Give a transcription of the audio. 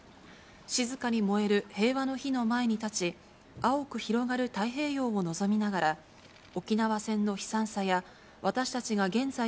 静かに燃える平和の火の前に立ち、青く広がる太平洋を望みながら、沖縄戦の悲惨さや、私たちが現在